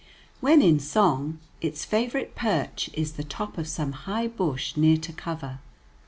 When in song, its favorite perch is the top of some high bush near to cover.